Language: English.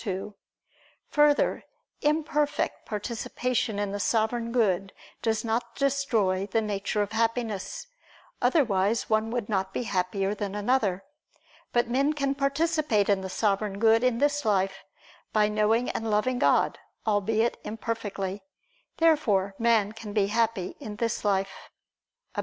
2: Further, imperfect participation in the Sovereign Good does not destroy the nature of Happiness, otherwise one would not be happier than another. But men can participate in the Sovereign Good in this life, by knowing and loving God, albeit imperfectly. Therefore man can be happy in this life. Obj.